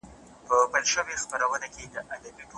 ښه لارښود تل د محصل په علمي پرمختګ کي مرسته کوي.